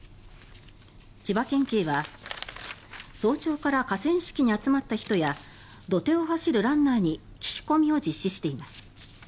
千葉県警は早朝から河川敷に集まった人や土手を走るランナーに聞き込みを実施しています。